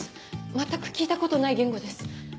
全く聞いたことない言語です。